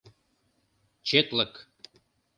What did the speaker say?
Четлык.